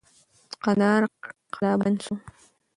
کندهار قلابند سو.